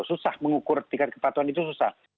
susah mengukur tingkat kepatuhan itu susah